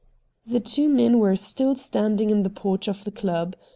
The two men were still standing in the porch of the club.